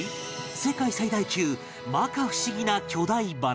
世界最大級摩訶不思議な巨大花